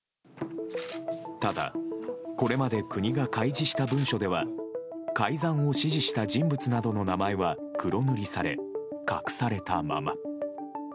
ただ、これまで国が開示した文書では改ざんを指示した人物などの名前は黒塗りされ隠されたまま。